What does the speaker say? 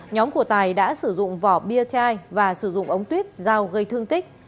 nhóm của tài đã sử dụng vỏ bia chai và sử dụng ống tuyết giao gây thương tích